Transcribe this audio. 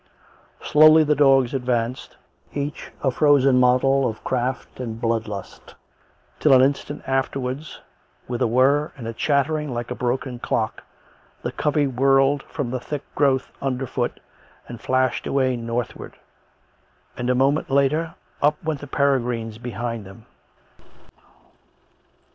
Slowly the dogs advanced, each a frozen model of craft and blood lust, till an instant after wards, with a whir and a chattering like a broken clock, the covey whirled from the thick growth underfoot, and flashed away northwards; and, a moment later, up went the peregrines behind them.